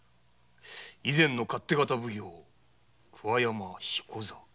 以前の勝手方奉行桑山彦左。